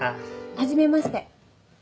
はじめまして。